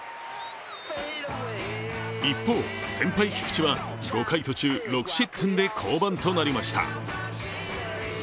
一方、先輩・菊池は５回途中６失点で降板となりました。